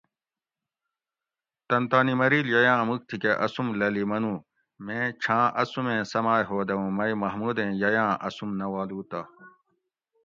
"تن تانی مریل ییاۤں مُوک تھی کہ آسوم لھلی منو ""میں چھاۤں اسومیں سماۤئے ھودہ اوں مئی محمودیں ییاۤں آسوم نہ والو تہ"